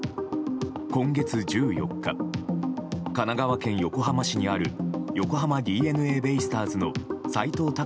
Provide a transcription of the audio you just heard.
今月１４日神奈川県横浜市にある横浜ＤｅＮＡベイスターズの斎藤隆